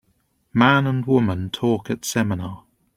Man and woman talk at seminar.